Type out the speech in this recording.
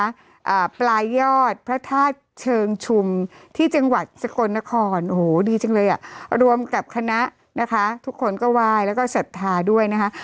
อ่าปลายยอดพระธาตุเชิงชุมที่จังหวัดสกลนครโอ้โหดีจังเลยอ่ะรวมกับคณะนะคะทุกคนก็ไหว้แล้วก็ศรัทธาด้วยนะคะ